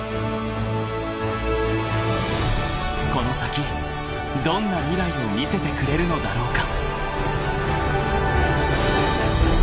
［この先どんな未来を見せてくれるのだろうか］